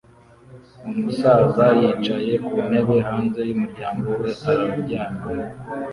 Umusaza yicaye ku ntebe hanze y'umuryango we araryama